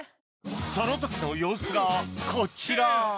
その時の様子がこちら